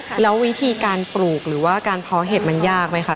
แล้ววิธีการปลูกหรือว่าการเพาะเห็ดมันยากไหมคะ